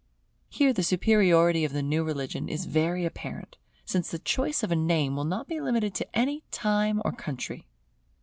Here the superiority of the new religion is very apparent; since the choice of a name will not be limited to any time or country.